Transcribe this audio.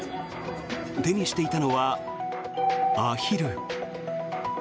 手にしていたのはアヒル。